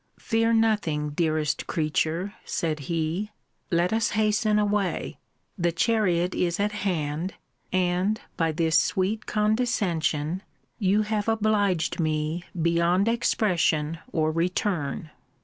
Fear nothing, dearest creature, said he let us hasten away the chariot is at hand and, by this sweet condescension, you have obliged me beyond expression or return.